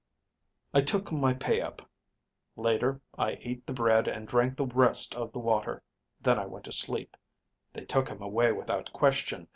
"I took my pay up. Later I ate the bread and drank the rest of the water. Then I went to sleep. They took him away without question.